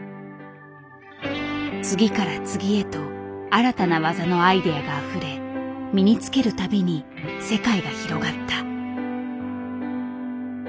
次から次へと新たな技のアイデアがあふれ身につけるたびに世界が広がった。